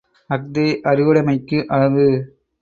அஃதே அறிவுடைமைக்கு அழகு!